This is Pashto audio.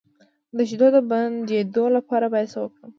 د شیدو د بندیدو لپاره باید څه وکړم؟